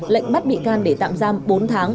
lệnh bắt bị can để tạm giam bốn tháng